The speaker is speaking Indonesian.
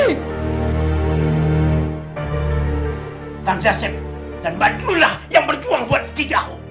mandasip dan madula yang berjuang buat cidau